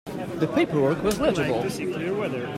The paperwork was legible.